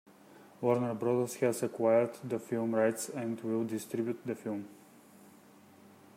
Warner Brothers has acquired the film rights and will distribute the film.